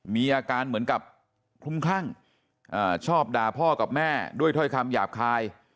มีอาการเหมือนกับคลุมคลั่งชอบด่าพ่อกับแม่ด้วยถ้อยคำหยาบคาย